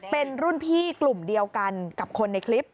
เป็นรุ่นพี่กลุ่มเดียวกันกับคนในคลิป